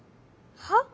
はっ？